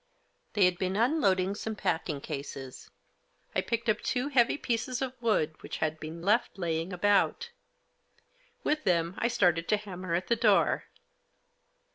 They had been unloading some packing cases, I picked up two heavy pieces of wood which had been left lying about ; with them I started to hammer at the door.